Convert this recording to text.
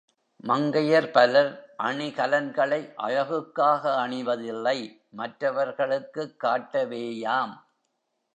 மங்கையர் பலர் அணிகலன்களை அழகுக்காக அணிவதில்லை மற்றவர்களுக்குக் காட்டவேயாம்.